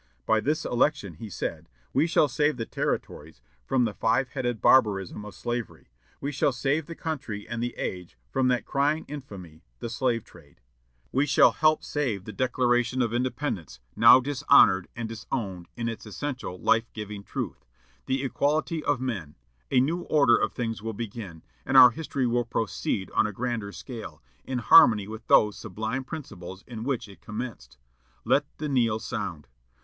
By this election, he said, "we shall save the Territories from the five headed barbarism of slavery; we shall save the country and the age from that crying infamy, the slave trade; we shall help save the Declaration of Independence, now dishonored and disowned in its essential, life giving truth, the equality of men.... A new order of things will begin; and our history will proceed on a grander scale, in harmony with those sublime principles in which it commenced. Let the knell sound!